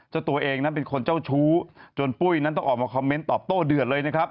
ตัวเองนั้นเป็นคนเจ้าชู้จนปุ้ยนั้นต้องออกมาคอมเมนต์ตอบโต้เดือดเลยนะครับ